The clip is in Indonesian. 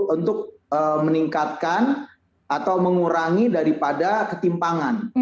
untuk meningkatkan atau mengurangi daripada ketimpangan